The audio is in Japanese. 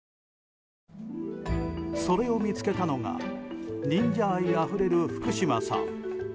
それを見つけたのが忍者愛あふれる福島さん。